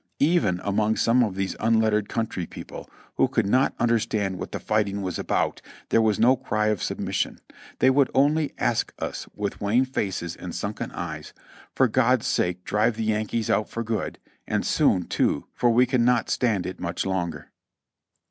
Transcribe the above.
Even among some of these unlettered countr}'^ people, w^ho could not understand what the fighting was about, there was no cry of submission ; they would only ask us, with wan faces and sunken eyes, "For God's sake drive the Yankees out for good ; and soon, too, for we cannot stand it much longer!"